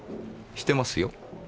してますよ。